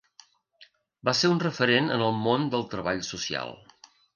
Va ser un referent en el món del treball social.